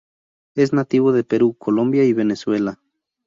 Es nativo de Perú, Colombia y Venezuela.